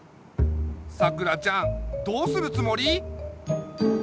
さくらちゃんどうするつもり？